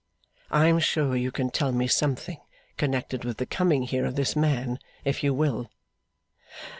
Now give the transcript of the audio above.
I am sure you can tell me something connected with the coming here of this man, if you will.